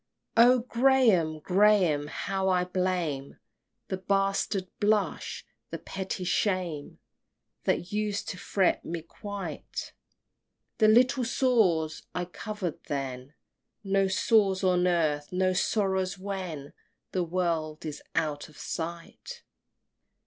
XXIV. O Graham, Graham, how I blame The bastard blush, the petty shame, That used to fret me quite, The little sores I cover'd then, No sores on earth, nor sorrows when The world is out of sight!